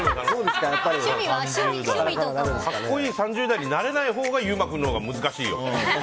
格好いい３０代になれないほうが、優馬君難しいよ。